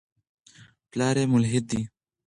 پلار یې ملحد دی.